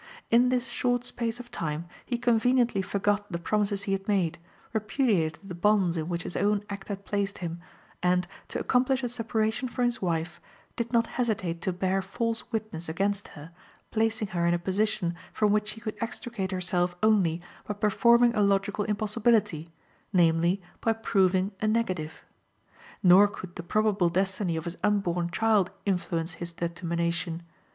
In this short space of time he conveniently forgot the promises he had made, repudiated the bonds in which his own act had placed him, and, to accomplish a separation from his wife, did not hesitate to bear false witness against her, placing her in a position from which she could extricate herself only by performing a logical impossibility, namely, by proving a negative. Nor could the probable destiny of his unborn child influence his determination.